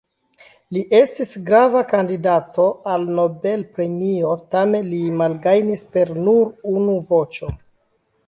Li estis grava kandidato al Nobel-premio tamen li malgajnis per nur unu voĉo.